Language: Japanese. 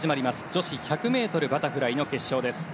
女子１００ｍバタフライの決勝です。